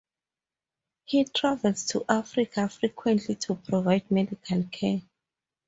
He travels to Africa frequently to provide medical care.